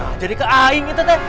nah jadi ke ain gitu teh